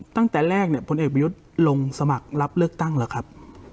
ตั้งแต่แรกเนี่ยพลเอกประยุทธ์ลงสมัครรับเลือกตั้งหรือครับ